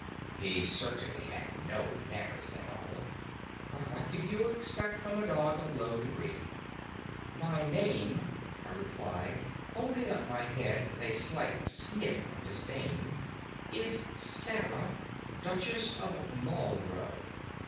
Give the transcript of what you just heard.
"He certainly had no manners at all, but what could you expect from a dog of low degree? "'My name,' I replied, holding up my head with a slight sniff of disdain, 'is Sarah, Duchess of Marlborough!'